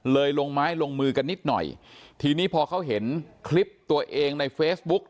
ลงไม้ลงมือกันนิดหน่อยทีนี้พอเขาเห็นคลิปตัวเองในเฟซบุ๊ก